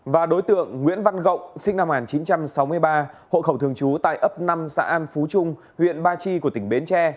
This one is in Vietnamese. và đối tượng nguyễn văn rộng sinh năm một nghìn chín trăm sáu mươi ba hộ khẩu thường trú tại ấp năm xã an phú trung huyện ba chi của tỉnh bến tre